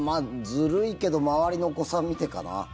ずるいけど周りのお子さんを見てかな。